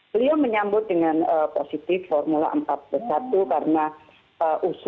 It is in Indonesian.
beliau menyambut dengan positif formula empat plus satu karena usulan atau upaya yang terjadi adalah empat plus satu